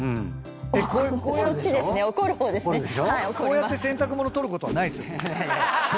こうやって洗濯物取ることはない。